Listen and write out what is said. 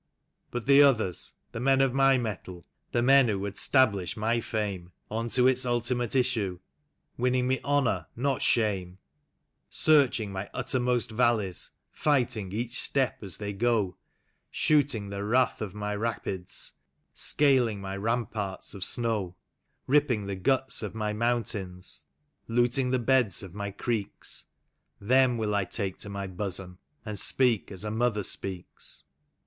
" But the others, the men of my mettle, the men who would 'stablish my fame. Unto its ultimate issiie, winning me honor, not shame; Searching my uttermost valleys, fighting each step as they go, Shooting the wrath of my rapids, scaling my ramparts of snow; Ripping the guts of my mountains, looting the beds of my creeks. Them will I take to my bosom, and speak as a mother speaks.